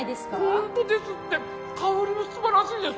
本当ですって香りも素晴らしいです